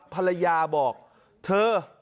ภรรยาบอกเธอ